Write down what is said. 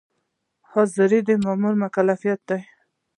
حاضري د مامور مکلفیت دی